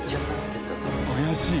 怪しい！